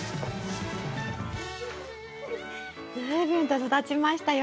随分と育ちましたよ。